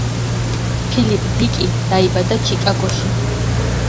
ფილიპ დიკი დაიბადა ჩიკაგოში.